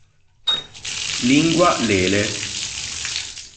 Lingua lele